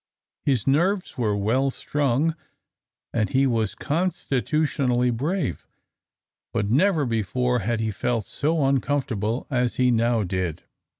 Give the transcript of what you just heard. His nerves were well strung and he was constitutionally brave; but never before had he felt so uncomfortable as he now did.